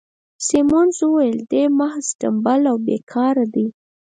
سیمونز وویل: دی محض ټمبل او بې کاره دی.